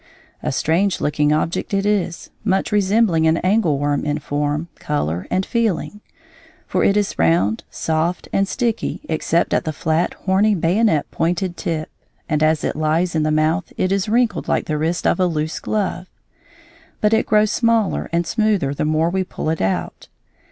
A strange looking object it is, much resembling an angle worm in form, color, and feeling; for it is round, soft, and sticky, except at the flat, horny, bayonet pointed tip, and as it lies in the mouth it is wrinkled like the wrist of a loose glove; but it grows smaller and smoother the more we pull it out.